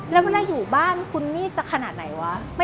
แล้วเวลาอยู่บ้านคุณนี่จะขนาดไหนวะ